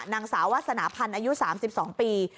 นางสาวว่าสนาพันธ์อายุสามสิบสองปี